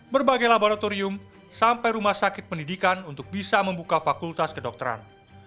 berbagai laboratorium sampai rumah sakit pendidikan untuk bisa membuka fakultas kedokteran